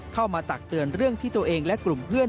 ตักเตือนเรื่องที่ตัวเองและกลุ่มเพื่อน